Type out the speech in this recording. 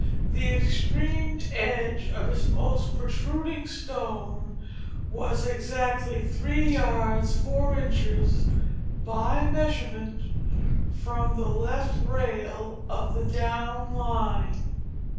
The extreme edge of its most protruding stone was exactly three yards four inches by measurement from the left rail of the down line.